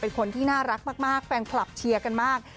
เป็นคนที่น่ารักมากแฟนคลับเชียร์กันมาก